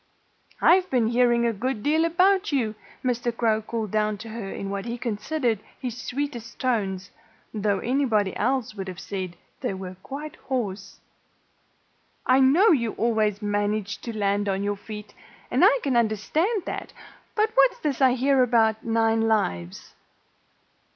"I've been hearing a good deal about; you," Mr. Crow called down to her in what he considered his sweetest tones, though anybody else would have said they were quite hoarse. "I know you always manage to land on your feet and I can understand that. But what's this I hear about _nine lives?